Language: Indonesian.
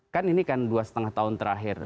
kan ini kan dua lima tahun terakhir